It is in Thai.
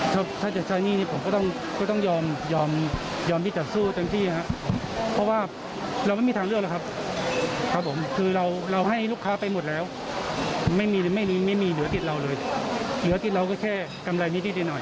จะต้องใช้หนี้ตามกฎหมายที่จะทำอย่างไรกันครับ